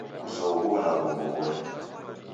Kuzoghuo na w'ongo w'ori